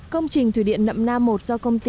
công trình thủy điện nậm nam i do công ty